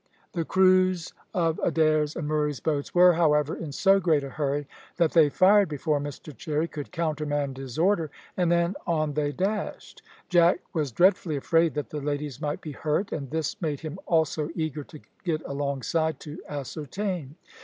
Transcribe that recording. The crews of Adair's and Murray's boats were, however, in so great a hurry that they fired before Mr Cherry could countermand his order, and then on they dashed. Jack was dreadfully afraid that the ladies might be hurt, and this made him also eager to get alongside to ascertain.